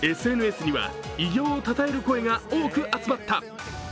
ＳＮＳには偉業をたたえる声が多く集まった。